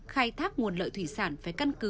khai thác nguồn lợi thủy sản phải căn cứ